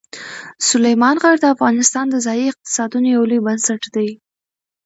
سلیمان غر د افغانستان د ځایي اقتصادونو یو لوی بنسټ دی.